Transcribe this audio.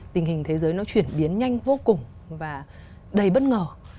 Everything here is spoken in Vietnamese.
tình hình thế giới nó chuyển biến nhanh vô cùng và đầy bất ngờ